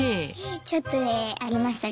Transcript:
ちょっとねありましたね